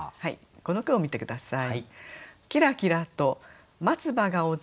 この句を見て下さい。